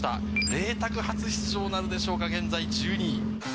麗澤、初出場なるでしょうか、現在１２位。